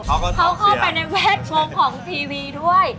เขาเข้าไปในแวดวงของทีวีด้วย